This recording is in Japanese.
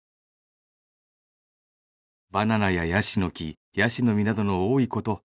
「バナナやヤシノキヤシノミなどの多いこと」